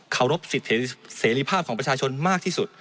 รบสิทธิเสรีภาพของประชาชนมากที่สุด